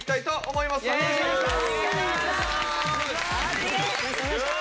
よろしくお願いします！